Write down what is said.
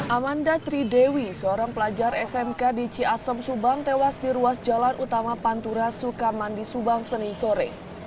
amanda tridewi seorang pelajar smk di ciasom subang tewas di ruas jalan utama pantura sukamandi subang senin sore